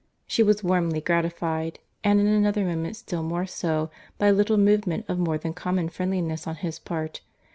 She was warmly gratified—and in another moment still more so, by a little movement of more than common friendliness on his part.